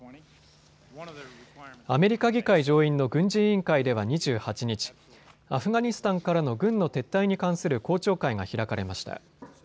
アメリカ議会上院の軍事委員会では２８日、アフガニスタンからの軍の撤退に関する公聴会が開かれました。